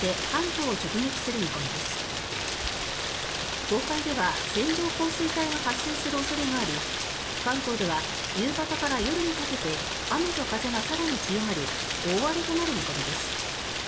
東海では線状降水帯が発生する恐れがあり関東では夕方から夜にかけて雨と風が更に強まり大荒れとなる見込みです。